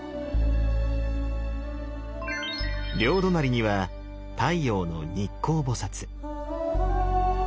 両隣には太陽の日光菩。